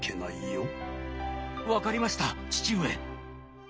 分かりました父上。